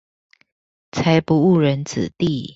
才不誤人子弟